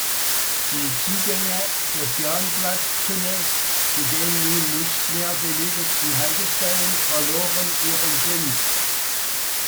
Die Zugänge des Jahnplatz-Tunnels zu den nun nicht mehr benötigten Haltestellen verloren ihren Sinn.